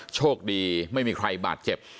โชคดีไม่มีใครบาดเจ็บ